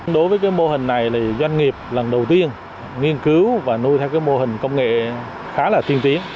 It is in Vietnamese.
đối với cái mô hình này thì doanh nghiệp lần đầu tiên nghiên cứu và nuôi theo mô hình công nghệ khá là tiên tiến